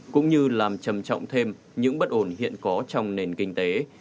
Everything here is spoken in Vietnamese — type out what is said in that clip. cũng như làm trầm trọng thêm những bất ổn hiện có trong nền kinh tế